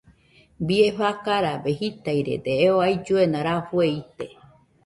Bie fakarabe jitairede eo ailluena rafue ite.